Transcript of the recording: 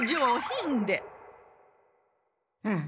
うん。